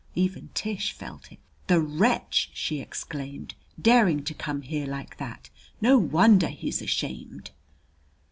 Even Tish felt it. "The wretch!" she exclaimed. "Daring to come here like that! No wonder he's ashamed."